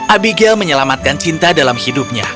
abigail menyelamatkan cinta dalam hidupnya